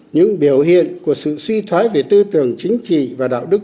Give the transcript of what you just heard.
những biểu hiện của sự suy thoái về tư tưởng chính trị và đạo đức